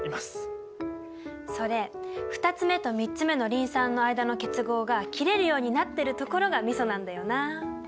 それ２つ目と３つ目のリン酸の間の結合が切れるようになってるところがミソなんだよなあ。